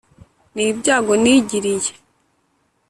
ni ibyago nigiriye.